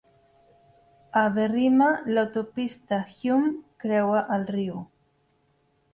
A Berrima, l'autopista Hume creua el riu.